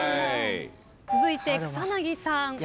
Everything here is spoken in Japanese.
続いて草薙さん。